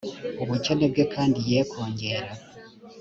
ubukene bwe kandi ye kongera